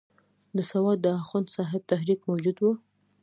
د سوات د اخوند صاحب تحریک موجود وو.